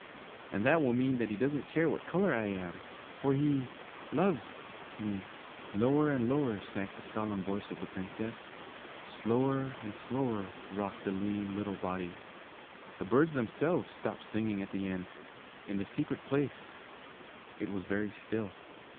And that will mean that he doesn't care what color I am, for he loves me.' Lower and lower sank the solemn voice of the Princess. Slower and slower rocked the little lean body. The birds themselves stopped singing at the end. In the Secret Place it was very still.